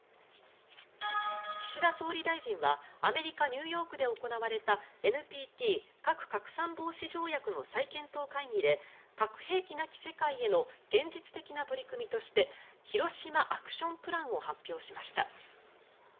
岸田総理大臣はアメリカ・ニューヨークで行われたＮＰＴ・核拡散防止条約の再検討会議で核兵器なき世界への現実的な取り組みとしてヒロシマ・アクション・プランを発表しました。